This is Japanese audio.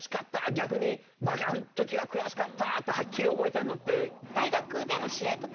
「逆にあの時は悔しかった」ってはっきり覚えてるのって。